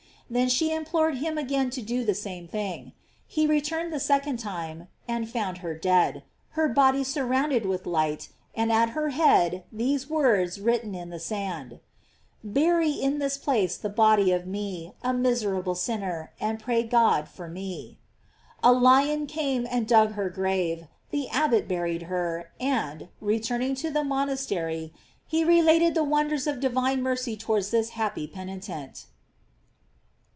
Then she implored him again to do the same thing. Ha returned the second time, and found her dead, her body surrounded with light, and at her head these words written in the sand: "Bury in this place the body of me, a miserable sinner, and pray God for me." A lion came and dug her grave, the abbot buried her, and, returning to the monastery, he related the wonders of divine mercy towards this happy penitent.